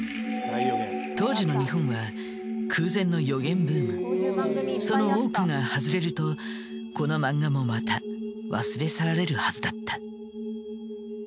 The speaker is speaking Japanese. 当時の日本は空前のその多くが外れるとこの漫画もまた忘れ去られるはずだった。